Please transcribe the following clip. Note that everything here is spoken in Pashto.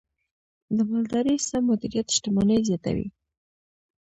د مالدارۍ سم مدیریت شتمني زیاتوي.